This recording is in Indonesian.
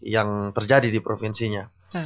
yang terjadi di provinsinya